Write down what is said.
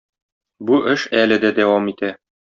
Бу эш әле дә дәвам итә.